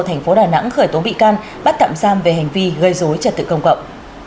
thành phố đà nẵng khởi tố bị can bắt tạm giam về hành vi gây dối trật tự công cộng